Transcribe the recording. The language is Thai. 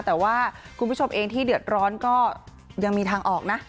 แต่ว่าคุณผู้ชมเองที่เดือดร้อนก็ยังมีทางออกนะ